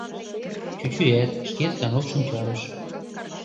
Чӱчӱат шке станокшым чарыш.